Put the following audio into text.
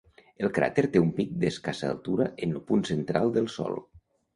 El cràter té un pic d'escassa altura en el punt central del sòl.